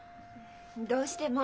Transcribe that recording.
どうしても。